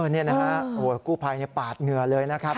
นี่นะฮะกู้ภัยปาดเหงื่อเลยนะครับ